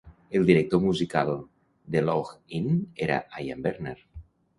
El director musical de "Laugh-In" era Ian Bernard.